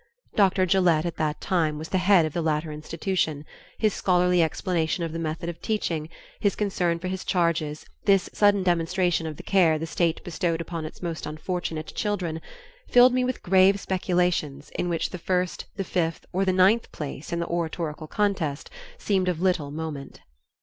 Dr Gillette was at that time head of the latter institution; his scholarly explanation of the method of teaching, his concern for his charges, this sudden demonstration of the care the state bestowed upon its most unfortunate children, filled me with grave speculations in which the first, the fifth, or the ninth place in the oratorical contest seemed of little moment.